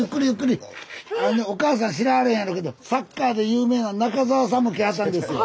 おかあさん知らはれへんやろうけどサッカーで有名な中澤さんも来はったんですよ。